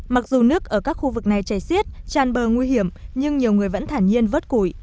mặc dù nước ở các khu vực này chảy xiết tràn bờ nguy hiểm nhưng nhiều người vẫn thản nhiên vớt củi